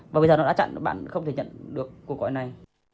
và bây giờ nó đã chặn bạn không thể nhận được cuộc gọi này